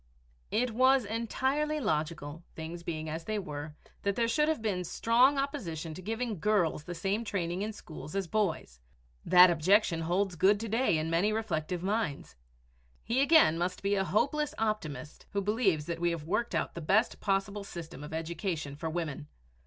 It was entirely logical, things beings as they were, that there should have been strong opposition to giving girls the same training in schools as boys. That objection holds good to day in many reflective minds. He again must be a hopeless optimist who believes that we have worked out the best possible system of education for women.